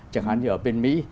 chẳng hạn như ở bên mỹ